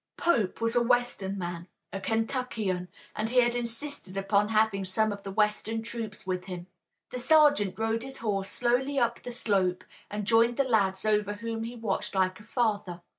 Pope was a western man, a Kentuckian, and he had insisted upon having some of the western troops with him. The sergeant rode his horse slowly up the slope, and joined the lads over whom he watched like a father.